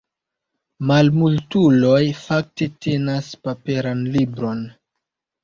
Malmultuloj fakte tenas paperan libron.